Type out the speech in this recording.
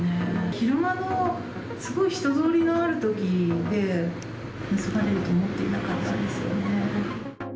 昼間のすごい人通りのあるときで、盗まれると思っていなかったんですよね。